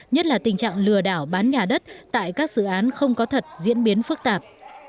nhất là tình trạng lừa đảo bán nhà đất tại các dự án không có thật diễn biến phức tạp